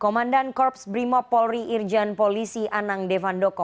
komandan korps brimob polri irjen polisi anang devandoko